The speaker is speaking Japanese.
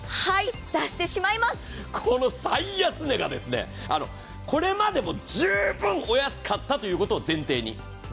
この最安値が、これまでも十分お安かったということを前提に。